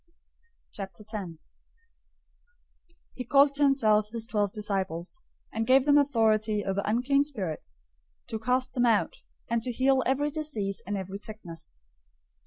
010:001 He called to himself his twelve disciples, and gave them authority over unclean spirits, to cast them out, and to heal every disease and every sickness.